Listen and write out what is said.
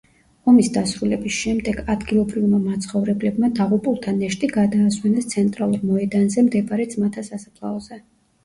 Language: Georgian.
ომის დასრულების შემდეგ ადგილობრივმა მაცხოვრებლებმა დაღუპულთა ნეშტი გადაასვენეს ცენტრალურ მოედანზე მდებარე ძმათა სასაფლაოზე.